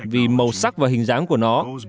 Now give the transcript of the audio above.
vì màu sắc và hình dáng của nó